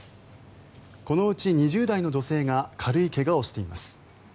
このうち２０代の女性が軽い怪我をしています。